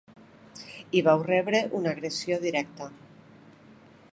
I vau rebre una agressió directa.